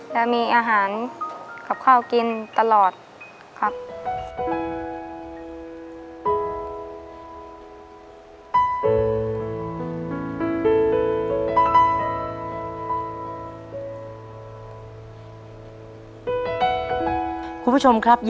และมีอาหารกับข้าวกินตลอดครับ